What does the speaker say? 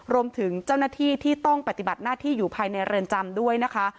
รวมถึงเจ้าหน้าที่ที่ต้องปฏิบัติหน้าที่อยู่ภายในเรือนจำด้วยนะคะ